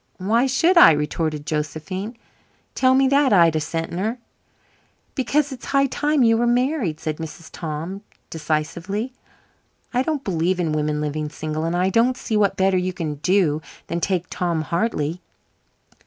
"Why should I?" retorted Josephine. "Tell me that, Ida Sentner." "Because it is high time you were married," said Mrs. Tom decisively. "I don't believe in women living single. And I don't see what better you can do than take David Hartley."